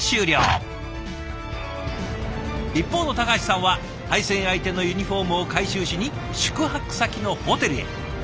一方の橋さんは対戦相手のユニフォームを回収しに宿泊先のホテルへ。